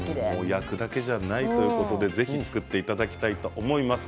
焼くだけではないということで、ぜひ作っていただきたいと思います。